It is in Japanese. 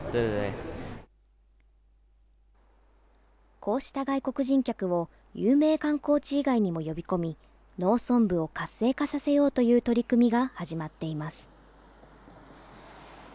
こうした外国人客を有名観光地以外にも呼び込み、農村部を活性化させようという取り組みが始まっています。